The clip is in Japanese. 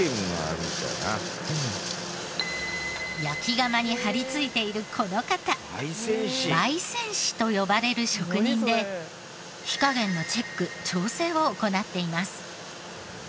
焼き釜に張り付いているこの方焙煎師と呼ばれる職人で火加減のチェック調整を行っています。